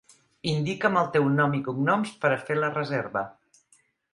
Indica'm el teu nom i cognoms per a fer la reserva.